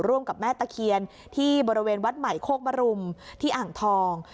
กับแม่ตะเคียนที่บริเวณวัดใหม่โคกมรุมที่อ่างทอง